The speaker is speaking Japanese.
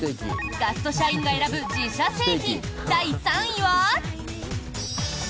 ガスト社員が選ぶ自社製品第３位は。